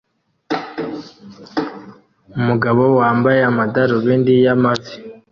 Umugabo wambaye amadarubindi y'amavi